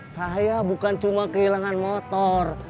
saya bukan cuma kehilangan motor